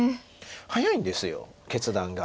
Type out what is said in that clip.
早いんです決断が。